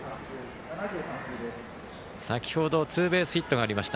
先ほどツーベースヒットがありました。